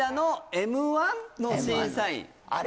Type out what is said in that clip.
あれ